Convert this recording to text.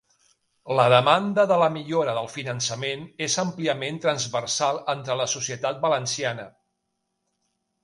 La demanda de la millora del finançament és àmpliament transversal entre la societat valenciana.